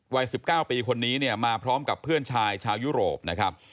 วัย๑๙ปีคนนี้เนี่ยมาพร้อมกับเพื่อนชายชาวยุโรปนะครับ